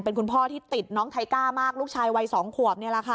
เป็นคุณพ่อที่ติดน้องไทก้ามากลูกชายวัย๒ขวบนี่แหละค่ะ